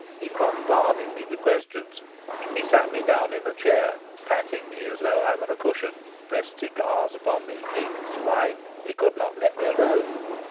He bombarded me with questions. He sat me down in a chair, patting me as though I were a cushion, pressed cigars upon me, cakes, wine. He could not let me alone.